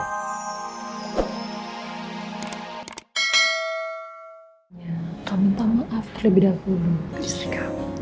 kamu minta maaf terlebih dahulu